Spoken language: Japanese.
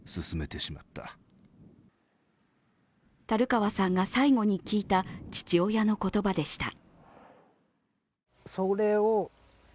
樽川さんが最後に聞いた父親の言葉でした。